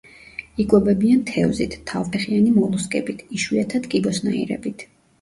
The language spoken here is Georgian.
იკვებებიან თევზით, თავფეხიანი მოლუსკებით, იშვიათად კიბოსნაირებით.